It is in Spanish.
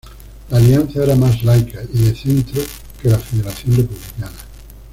La Alianza era más laica y de centro que la Federación Republicana.